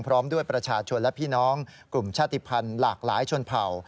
พร้อมด้วยประชาชนและพี่น้องกลุ่มชาติภัณฑ์หลากหลายชนเผ่า